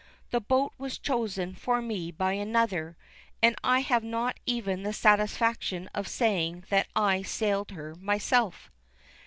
The boat was chosen for me by another, and I have not even the satisfaction of saying that I sailed her myself."